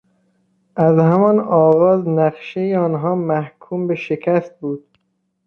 از همان آغاز نقشهی آنها محکوم به شکست بود.